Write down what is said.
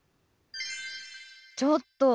ちょっと！